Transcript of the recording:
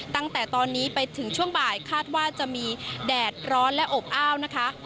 ตั้งแต่ตอนนี้ไปถึงช่วงบ่ายคาดว่าจะมีแดดร้อนและอบอ้าวนะคะ